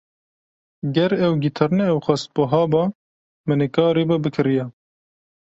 Ger ew gîtar ne ew qas buha ba, min ê karîba bikiriya.